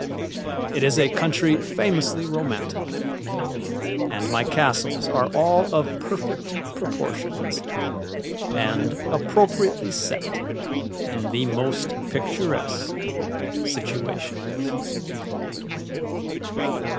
It is a country famously romantic, and my castles are all of perfect proportions and appropriately set in the most picturesque situations.